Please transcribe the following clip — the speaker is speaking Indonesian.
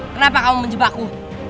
kenapa kamu menjebakku